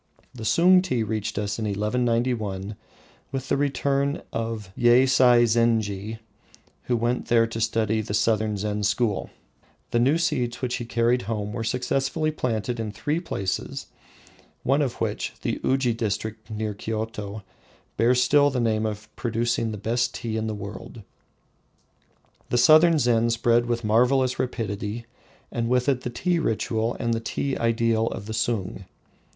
The Sung tea reached us in 1191 with the return of Yeisai zenji, who went there to study the southern Zen school. The new seeds which he carried home were successfully planted in three places, one of which, the Uji district near Kioto, bears still the name of producing the best tea in the world. The southern Zen spread with marvelous rapidity, and with it the tea ritual and the tea ideal of the Sung.